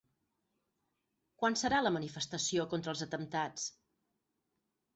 Quan serà la manifestació contra els atemptats?